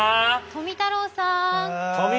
富太郎さん。